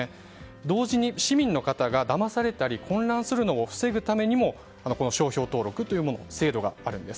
同時に市民の方がだまされたり混乱するのを防ぐためにも、この商標登録という制度があるんです。